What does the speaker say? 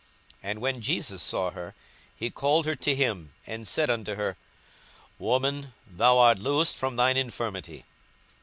42:013:012 And when Jesus saw her, he called her to him, and said unto her, Woman, thou art loosed from thine infirmity.